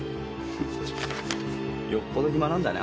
よっぽど暇なんだね。